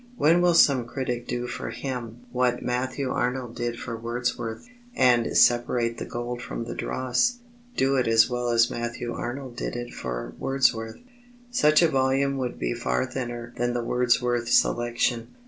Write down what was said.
When will some critic do for him what Matthew Arnold did for Wordsworth, and separate the gold from the dross do it as well as Matthew Arnold did it for Wordsworth? Such a volume would be far thinner than the Wordsworth selection.